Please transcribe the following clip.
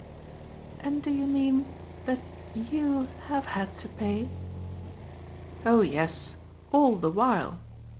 "And do you mean that YOU have had to pay ?" "Oh yes all the while."